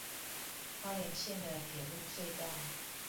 花蓮縣的鐵路隧道